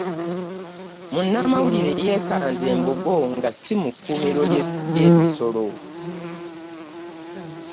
Munnammawulire yekanze embogo nga sli mu kkumiro leyebisoko .